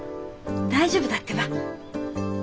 大丈夫だってば。